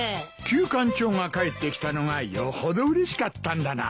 キュウカンチョウが帰ってきたのがよほどうれしかったんだな。